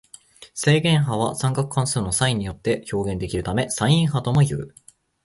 正弦波は三角関数のサインによって表現できるためサイン波ともいう。